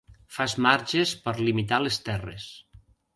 Fas marges per limitar les terres.